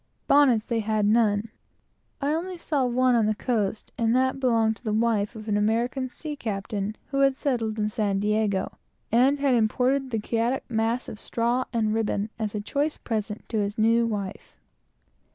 Bonnets they had none. I only saw one on the coast, and that belonged to the wife of an American sea captain who had settled in San Diego, and had imported the chaotic mass of straw and ribbon, as a choice present to his new wife.